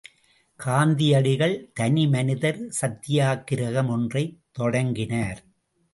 காந்தியடிகள் தனிமனிதர் சத்தியாக்கிரகம் ஒன்றைத் தொடங்கினார்.